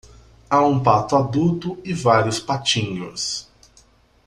Há um pato adulto e vários patinhos.